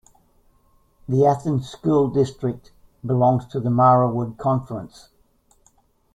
The Athens School District belongs to the Marawood Conference.